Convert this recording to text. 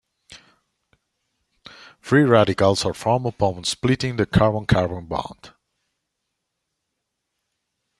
Free radicals are formed upon splitting the carbon-carbon bond.